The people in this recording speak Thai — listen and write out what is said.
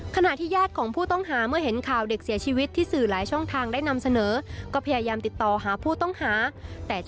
ขณะที่ญาติของผู้ต้องหาเมื่อเห็นข่าวเด็กเสียชีวิตที่สื่อหลายช่องทางได้นำเสนอก็พยายามติดต่อหาผู้ต้องหาแต่จะ